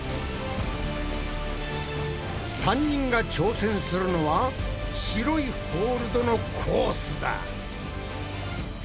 ３人が挑戦するのは白いホールドのコースだ。